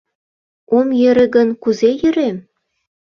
Ом йӧрӧ гын, кузе йӧрем?